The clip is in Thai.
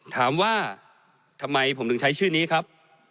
ถามว่าทำไมผมถึงใช้ชื่อนี้ครับ